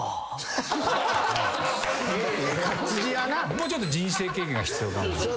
もうちょっと人生経験が必要かも。